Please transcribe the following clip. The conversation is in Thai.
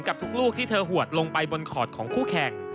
กับทุกลูกที่เธอหวดลงไปบนขอดของคู่แข่ง